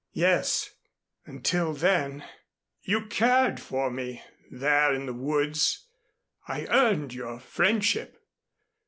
"Yes until then." "You cared for me, there in the woods. I earned your friendship.